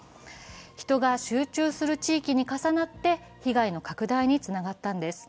人が集中する地域に重なって被害の拡大につながったのです。